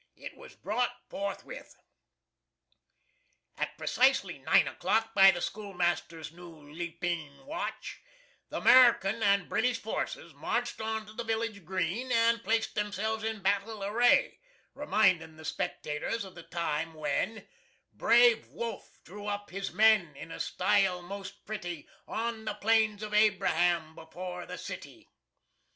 It was brought forthwith. At precisely 9 o'clock, by the schoolmaster's new "Lepeen" watch, the American and British forces marched on to the village green and placed themselves in battle array, reminding the spectator of the time when "Brave Wolfe drew up his men In a style most pretty, On the Plains of Abraham Before the city."